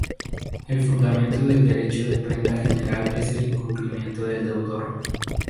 El fundamento del derecho de prenda general es el incumplimiento del deudor.